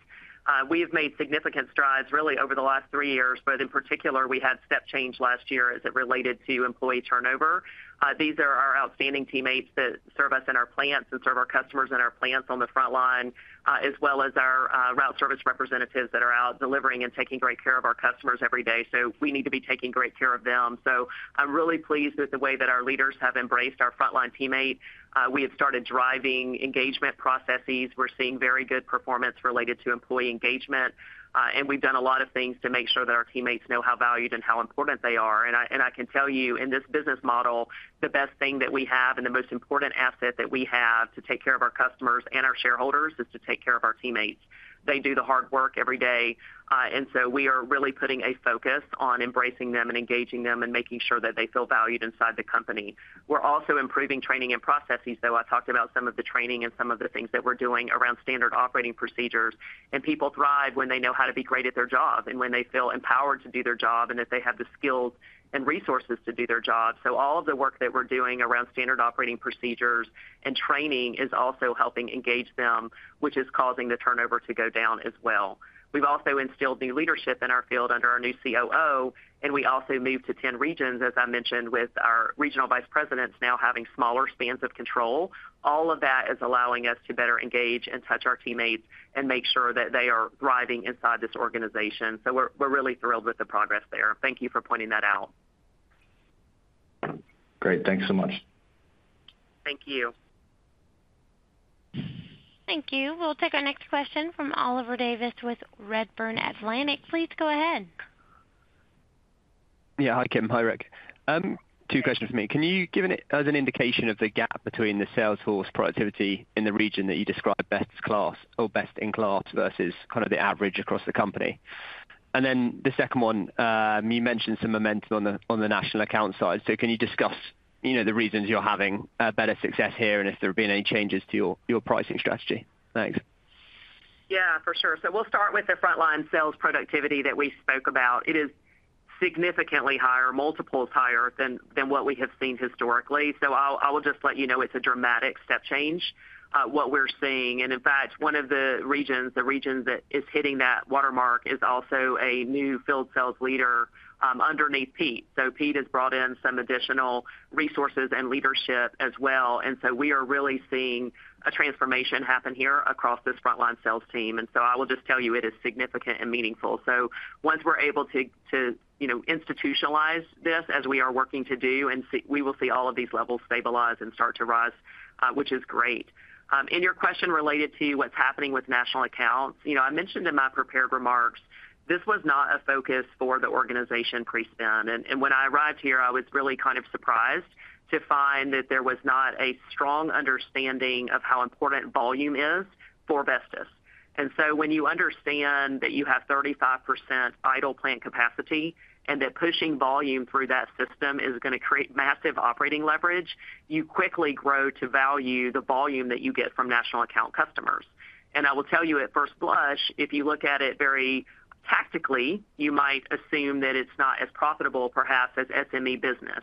Speaker 3: We have made significant strides really over the last three years, but in particular, we had step change last year as it related to employee turnover. These are our outstanding teammates that serve us in our plants and serve our customers in our plants on the frontline, as well as our route service representatives that are out delivering and taking great care of our customers every day. So we need to be taking great care of them. So I'm really pleased with the way that our leaders have embraced our frontline teammate. We have started driving engagement processes. We're seeing very good performance related to employee engagement. And we've done a lot of things to make sure that our teammates know how valued and how important they are. And I can tell you, in this business model, the best thing that we have and the most important asset that we have to take care of our customers and our shareholders is to take care of our teammates. They do the hard work every day. And so we are really putting a focus on embracing them and engaging them and making sure that they feel valued inside the company. We're also improving training and processes, though. I talked about some of the training and some of the things that we're doing around standard operating procedures. And people thrive when they know how to be great at their job and when they feel empowered to do their job and that they have the skills and resources to do their job. So all of the work that we're doing around standard operating procedures and training is also helping engage them, which is causing the turnover to go down as well. We've also instilled new leadership in our field under our new COO, and we also moved to 10 regions, as I mentioned, with our regional vice presidents now having smaller spans of control. All of that is allowing us to better engage and touch our teammates and make sure that they are thriving inside this organization. So we're really thrilled with the progress there. Thank you for pointing that out.
Speaker 9: Great. Thanks so much.
Speaker 3: Thank you.
Speaker 1: Thank you. We'll take our next question from Oliver Davies with Redburn Atlantic. Please go ahead.
Speaker 10: Yeah. Hi, Kim. Hi, Rick. Two questions for me. Can you give us an indication of the gap between the salesforce productivity in the region that you described best in class versus kind of the average across the company? And then the second one, you mentioned some momentum on the national account side. So can you discuss the reasons you're having better success here and if there have been any changes to your pricing strategy? Thanks. Yeah, for sure. So we'll start with the frontline sales productivity that we spoke about.
Speaker 3: It is significantly higher, multiples higher than what we have seen historically, so I will just let you know it's a dramatic step change what we're seeing, and in fact, one of the regions, the region that is hitting that watermark, is also a new field sales leader underneath Pete, so Pete has brought in some additional resources and leadership as well, and so we are really seeing a transformation happen here across this frontline sales team, and so I will just tell you it is significant and meaningful, so once we're able to institutionalize this, as we are working to do, we will see all of these levels stabilize and start to rise, which is great. In your question related to what's happening with national accounts, I mentioned in my prepared remarks, this was not a focus for the organization pre-spin. And when I arrived here, I was really kind of surprised to find that there was not a strong understanding of how important volume is for Vestis. And so when you understand that you have 35% idle plant capacity and that pushing volume through that system is going to create massive operating leverage, you quickly grow to value the volume that you get from national account customers. And I will tell you at first blush, if you look at it very tactically, you might assume that it's not as profitable perhaps as SME business.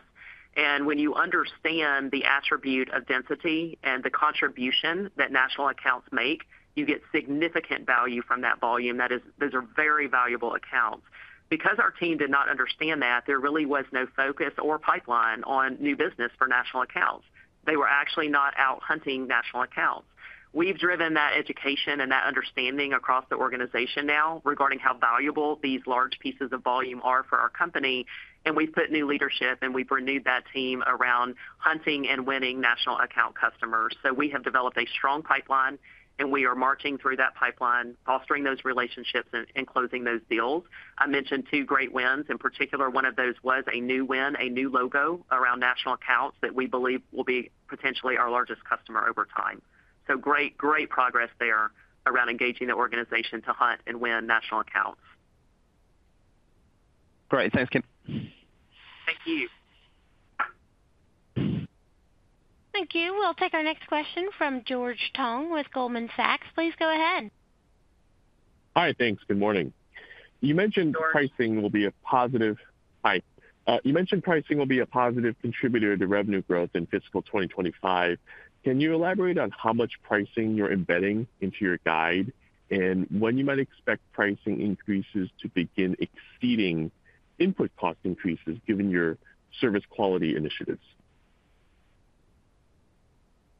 Speaker 3: And when you understand the attribute of density and the contribution that national accounts make, you get significant value from that volume. Those are very valuable accounts. Because our team did not understand that, there really was no focus or pipeline on new business for national accounts. They were actually not out hunting national accounts. We've driven that education and that understanding across the organization now regarding how valuable these large pieces of volume are for our company. And we've put new leadership, and we've renewed that team around hunting and winning national account customers. So we have developed a strong pipeline, and we are marching through that pipeline, fostering those relationships and closing those deals. I mentioned two great wins. In particular, one of those was a new win, a new logo around national accounts that we believe will be potentially our largest customer over time. So great progress there around engaging the organization to hunt and win national accounts.
Speaker 10: Great. Thanks, Kim.
Speaker 3: Thank you.
Speaker 1: Thank you. We'll take our next question from George Tong with Goldman Sachs. Please go ahead.
Speaker 10: Hi. Thanks. Good morning. You mentioned pricing will be a positive hike. You mentioned pricing will be a positive contributor to revenue growth in fiscal 2025. Can you elaborate on how much pricing you're embedding into your guide and when you might expect pricing increases to begin exceeding input cost increases given your service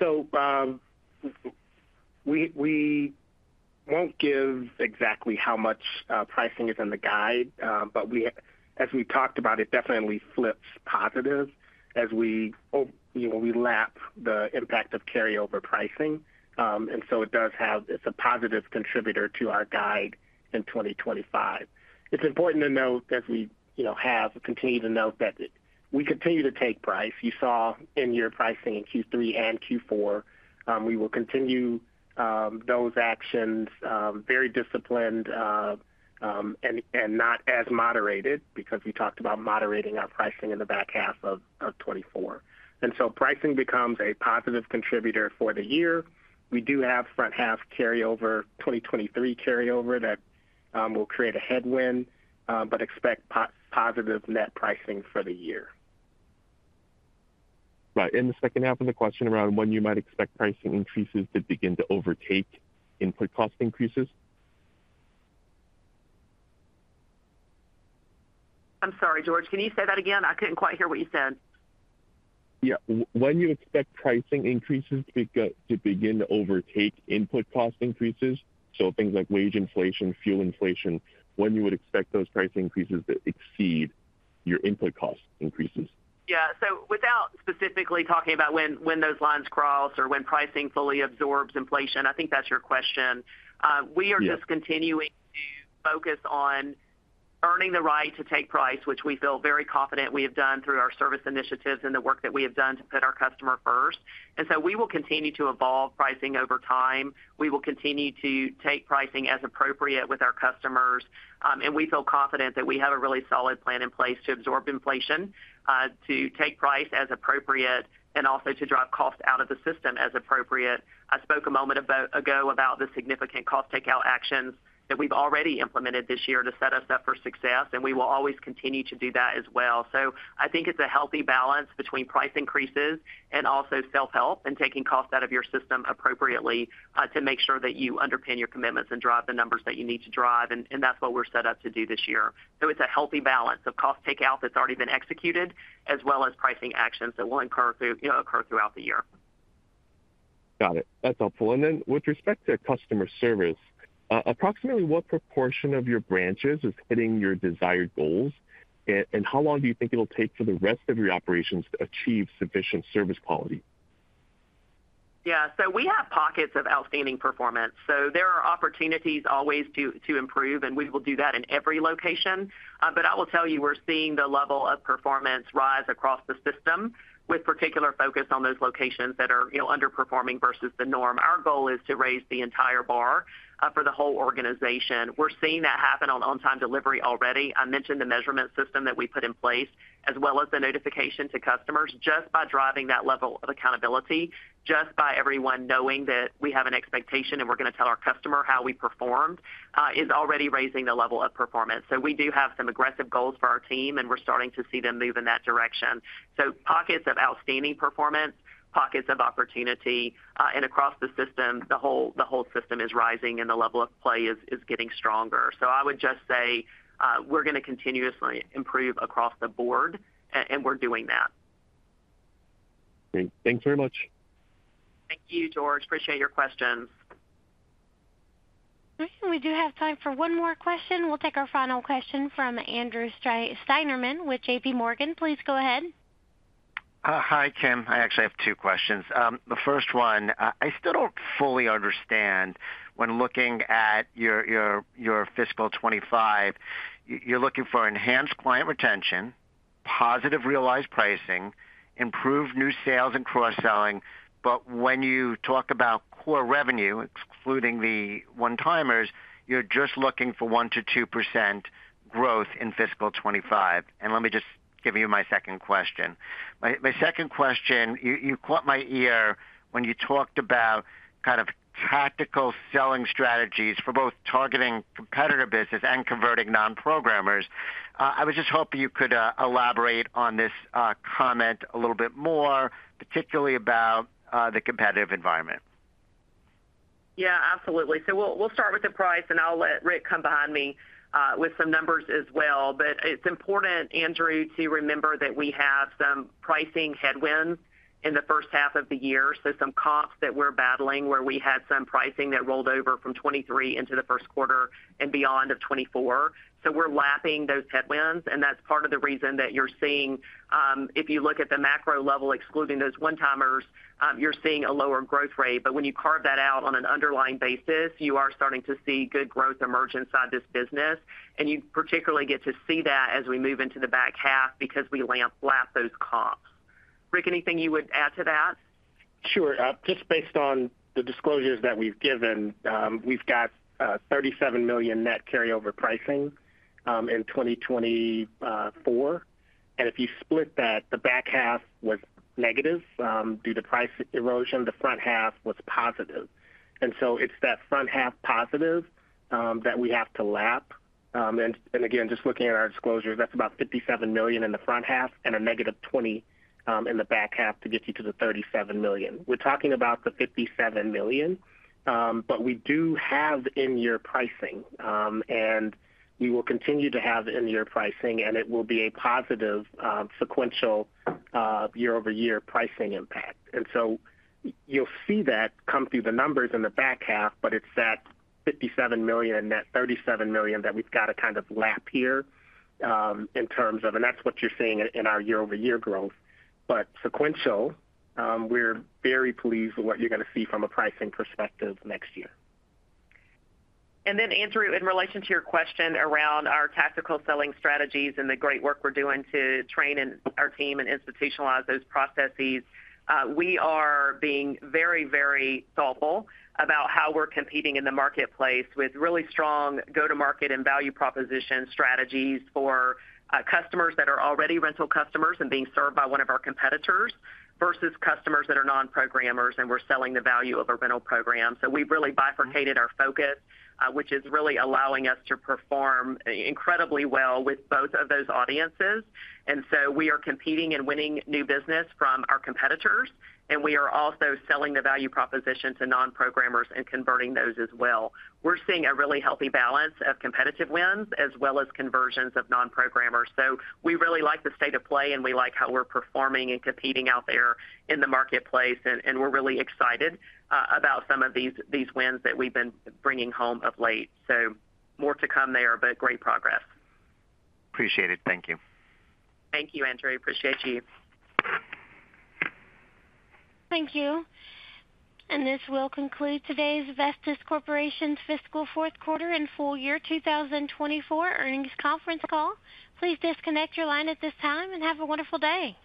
Speaker 10: quality initiatives?
Speaker 4: So we won't give exactly how much pricing is in the guide, but as we've talked about, it definitely flips positive as we lap the impact of carryover pricing. And so it does. It's a positive contributor to our guide in 2025. It's important to note, as we have continued to note, that we continue to take price. You saw our pricing in Q3 and Q4. We will continue those actions, very disciplined and not as moderated because we talked about moderating our pricing in the back half of 2024. And so pricing becomes a positive contributor for the year. We do have front-half carryover, 2023 carryover that will create a headwind, but expect positive net pricing for the year.
Speaker 11: Right. In the second half of the question around when you might expect pricing increases to begin to overtake input cost increases?
Speaker 3: I'm sorry, George. Can you say that again? I couldn't quite hear what you said.
Speaker 11: Yeah. When you expect pricing increases to begin to overtake input cost increases, so things like wage inflation, fuel inflation, when you would expect those price increases to exceed your input cost increases?
Speaker 3: Yeah. So without specifically talking about when those lines cross or when pricing fully absorbs inflation, I think that's your question. We are just continuing to focus on earning the right to take price, which we feel very confident we have done through our service initiatives and the work that we have done to put our customer first. And so we will continue to evolve pricing over time. We will continue to take pricing as appropriate with our customers. And we feel confident that we have a really solid plan in place to absorb inflation, to take price as appropriate, and also to drive cost out of the system as appropriate. I spoke a moment ago about the significant cost takeout actions that we've already implemented this year to set us up for success, and we will always continue to do that as well. So I think it's a healthy balance between price increases and also self-help and taking cost out of your system appropriately to make sure that you underpin your commitments and drive the numbers that you need to drive. And that's what we're set up to do this year. So it's a healthy balance of cost takeout that's already been executed as well as pricing actions that will occur throughout the year.
Speaker 10: Got it. That's helpful. And then with respect to customer service, approximately what proportion of your branches is hitting your desired goals, and how long do you think it'll take for the rest of your operations to achieve sufficient service quality?
Speaker 3: Yeah. So we have pockets of outstanding performance. So there are opportunities always to improve, and we will do that in every location. But I will tell you, we're seeing the level of performance rise across the system with particular focus on those locations that are underperforming versus the norm. Our goal is to raise the entire bar for the whole organization. We're seeing that happen on-time delivery already. I mentioned the measurement system that we put in place, as well as the notification to customers, just by driving that level of accountability, just by everyone knowing that we have an expectation and we're going to tell our customer how we performed, is already raising the level of performance. So we do have some aggressive goals for our team, and we're starting to see them move in that direction. So pockets of outstanding performance, pockets of opportunity, and across the system, the whole system is rising and the level of play is getting stronger. So I would just say we're going to continuously improve across the board, and we're doing that.
Speaker 11: Thanks very much.
Speaker 3: Thank you, George. Appreciate your questions.
Speaker 1: All right. And we do have time for one more question. We'll take our final question from Andrew Steinerman with J.P. Morgan. Please go ahead.
Speaker 12: Hi, Kim. I actually have two questions. The first one, I still don't fully understand when looking at your fiscal 2025, you're looking for enhanced client retention, positive realized pricing, improved new sales and cross-selling, but when you talk about core revenue, excluding the one-timers, you're just looking for 1%-2% growth in fiscal 2025. And let me just give you my second question. My second question, you caught my ear when you talked about kind of tactical selling strategies for both targeting competitor business and converting non-programmers. I was just hoping you could elaborate on this comment a little bit more, particularly about the competitive environment.
Speaker 3: Yeah, absolutely. So we'll start with the price, and I'll let Rick come behind me with some numbers as well. But it's important, Andrew, to remember that we have some pricing headwinds in the first half of the year. So some comps that we're battling where we had some pricing that rolled over from 2023 into the first quarter and beyond of 2024. So we're lapping those headwinds, and that's part of the reason that you're seeing, if you look at the macro level, excluding those one-timers, you're seeing a lower growth rate. But when you carve that out on an underlying basis, you are starting to see good growth emerge inside this business. And you particularly get to see that as we move into the back half because we lap those comps. Rick, anything you would add to that?
Speaker 4: Sure. Just based on the disclosures that we've given, we've got $37 million net carryover pricing in 2024. And if you split that, the back half was negative due to price erosion. The front half was positive. And so it's that front half positive that we have to lap. And again, just looking at our disclosures, that's about $57 million in the front half and a negative $20 million in the back half to get you to the $37 million. We're talking about the $57 million, but we do have in-year pricing, and we will continue to have in-year pricing, and it will be a positive sequential year-over-year pricing impact. And so you'll see that come through the numbers in the back half, but it's that $57 million and that $37 million that we've got to kind of lap here in terms of, and that's what you're seeing in our year-over-year growth. But sequential, we're very pleased with what you're going to see from a pricing perspective next year.
Speaker 3: And then, Andrew, in relation to your question around our tactical selling strategies and the great work we're doing to train our team and institutionalize those processes, we are being very, very thoughtful about how we're competing in the marketplace with really strong go-to-market and value proposition strategies for customers that are already rental customers and being served by one of our competitors versus customers that are non-programmers, and we're selling the value of a rental program. So we've really bifurcated our focus, which is really allowing us to perform incredibly well with both of those audiences. And so we are competing and winning new business from our competitors, and we are also selling the value proposition to non-programmers and converting those as well. We're seeing a really healthy balance of competitive wins as well as conversions of non-programmers. So we really like the state of play, and we like how we're performing and competing out there in the marketplace, and we're really excited about some of these wins that we've been bringing home of late. So more to come there, but great progress.
Speaker 12: Appreciate it. Thank you.
Speaker 3: Thank you, Andrew. Appreciate you.
Speaker 1: Thank you. And this will conclude today's Vestis Corporation's fiscal fourth quarter and full year 2024 earnings conference call. Please disconnect your line at this time and have a wonderful day.